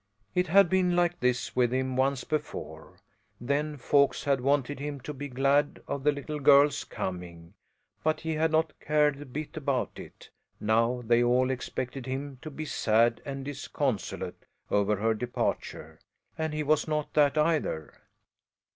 It had been like this with him once before. Then folks had wanted him to be glad of the little girl's coming, but he had not cared a bit about it; now they all expected him to be sad and disconsolate over her departure, and he was not that, either.